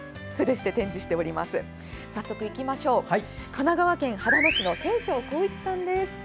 神奈川県秦野市の仙翔弘一さんです。